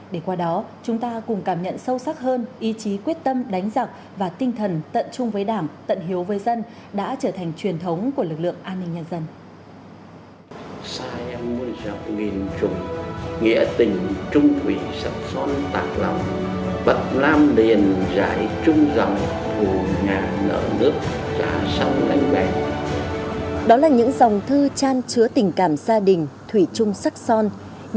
để qua đó chúng ta cùng cảm nhận sâu sắc hơn ý chí quyết tâm đánh giặc và tinh thần tận chung với đảng tận hiếu với dân đã trở thành truyền thống của lực lượng an ninh nhân dân